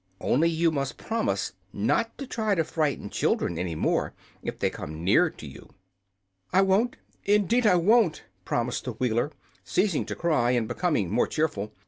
Only, you must promise not to try to frighten children any more, if they come near to you." "I won't indeed I won't!" promised the Wheeler, ceasing to cry and becoming more cheerful.